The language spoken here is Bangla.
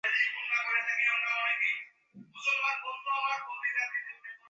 মঠের যথার্থ ত্যাগী সন্ন্যাসিগণই ধর্মভাব-রক্ষা ও প্রচারের মহাকেন্দ্রস্বরূপ হবে।